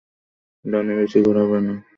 ডানে বেশি ঘোরাবে না।